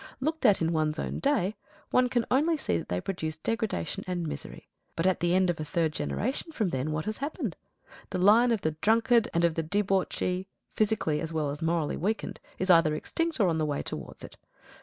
Looked at in one's own day, one can only see that they produce degradation and misery. But at the end of a third generation from then, what has happened? The line of the drunkard and of the debauchee, physically as well as morally weakened, is either extinct or on the way towards it.